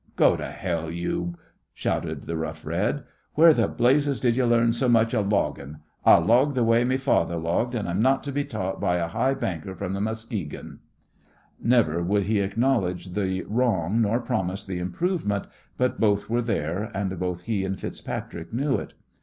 "Go to hell, you " shouted the Rough Red. "Where th' blazes did ye learn so much of loggin'? I log th' way me father logged, an' I'm not to be taught by a high banker from th' Muskegon!" Never would he acknowledge the wrong nor promise the improvement, but both were there, and both he and FitzPatrick knew it.